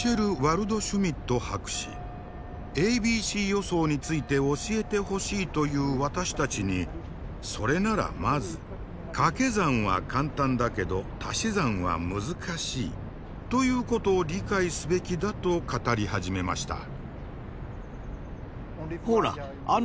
ａｂｃ予想について教えてほしいという私たちにそれならまず「かけ算は簡単だけどたし算は難しい」ということを理解すべきだと語り始めました。